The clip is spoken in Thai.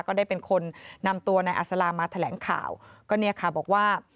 ก็ได้เป็นคนนำตัวนายอัศลามาแถลงข่าวก็เนี่ยค่ะบอกว่า